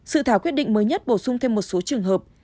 sự thảo quyết định mới nhất bổ sung thêm một số trường hợp